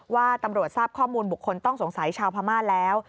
ว่าตำรวจทราบข้อมูลบุคคลต้องสงสัยชาวพม่าแล้ว